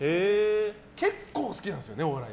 結構、好きなんですねお笑い。